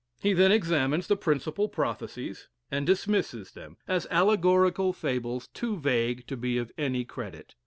He then examines the principal prophecies, and dismisses them, as allegorical fables too vague to be of any credit.